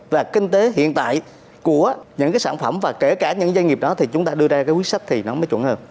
và kinh tế hiện tại của những cái sản phẩm và kể cả những doanh nghiệp đó thì chúng ta đưa ra cái quyết sách thì nó mới chuẩn hợp